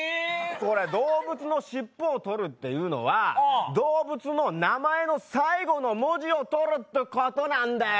これ、動物の尻尾をとるというのは動物の名前の最後の文字をとるってことなんだよ。